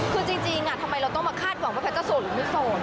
คือจริงทำไมเราต้องมาคาดหวังว่าแพทย์จะโสดหรือไม่โสด